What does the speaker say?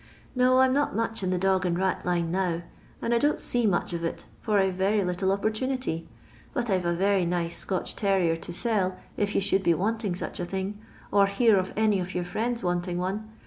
No, I 'm not much in the dog and rat line now, and don't see much of it, for I 've very little opportunity. But I 've a very nice Scotch terrier to sell if you should bo wanting such a thing, or hear of any of your friends wanting one.